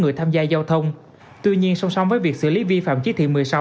người tham gia giao thông tuy nhiên song song với việc xử lý vi phạm chí thị một mươi sáu